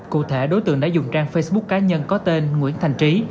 cụ thể đối tượng đã dùng trang facebook cá nhân có tên nguyễn thành trí